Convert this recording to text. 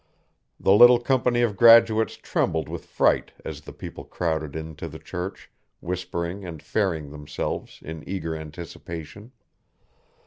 The little company of graduates trembled with fright as the people crowded in to the church, whispering and faring themselves, in eager anticipation.